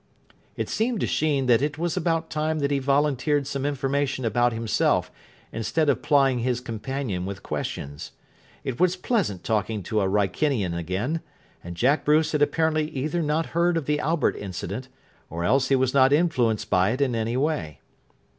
It seemed to Sheen that it was about time that he volunteered some information about himself, instead of plying his companion with questions. It was pleasant talking to a Wrykinian again; and Jack Bruce had apparently either not heard of the Albert incident, or else he was not influenced by it in any way.